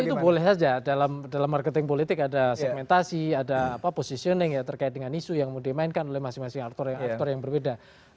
itu boleh saja dalam marketing politik ada segmentasi ada positioning ya terkait dengan isu yang mau dimainkan oleh masing masing aktor aktor yang berbeda